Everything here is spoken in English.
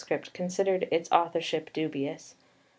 considered its authorship dubious.